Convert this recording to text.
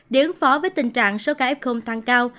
để ứng phó với tình trạng số ca f tăng cao